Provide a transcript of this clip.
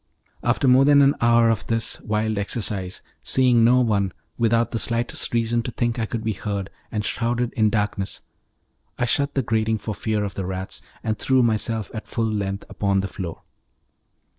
After more than an hour of this wild exercise, seeing no one, without the slightest reason to think I could be heard, and shrouded in darkness, I shut the grating for fear of the rats, and threw myself at full length upon the floor.